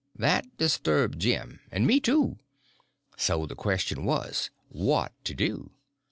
That disturbed Jim—and me too. So the question was, what to do?